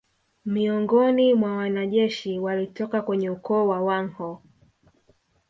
Miongoni mwa wanajeshi walitoka kwenye ukoo wa Wanghoo